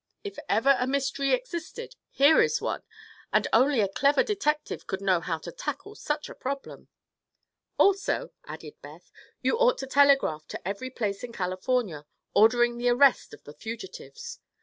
If ever a mystery existed, here is one, and only a clever detective could know how to tackle such a problem." "Also," added Beth, "you ought to telegraph to every place in California, ordering the arrest of the fugitives."